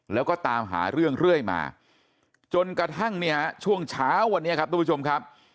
แล้วก็ตามหาเรื่องเรื่อยมาจนกระทั่งเนี่ยช่วงเช้าวันนี้ครับทุกผู้ชมครับ